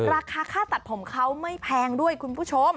ราคาค่าตัดผมเขาไม่แพงด้วยคุณผู้ชม